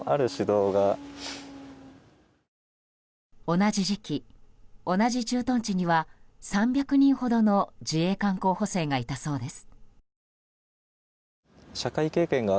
同じ時期、同じ駐屯地には３００人ほどの自衛官候補生がいたそうです。